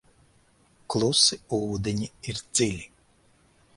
Klusi ūdeņi ir dziļi.